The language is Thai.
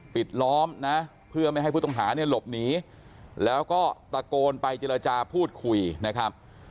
ปิดล้อมนะเพื่อไม่ให้ผู้ต้องหาเนี่ยหลบหนีแล้วก็ตะโกนไปเจรจาพูดคุยนะครับ